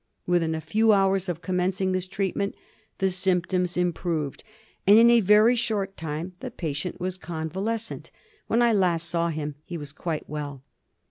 Within a few hours of commencing this treatment the symptoms improved, and in a very short time the. patient was convalescent. When I last saw him he was quite well.